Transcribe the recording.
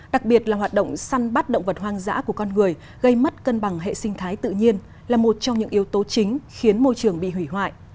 đặc biệt là hoạt động săn bắt động vật hoang dã của con người gây mất cân bằng hệ sinh thái tự nhiên là một trong những yếu tố chính khiến môi trường bị hủy hoại